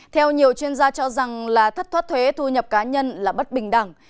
theo nhiều chuyên gia cho rằng là thất thoát thuế thu nhập cá nhân là bất bình đẳng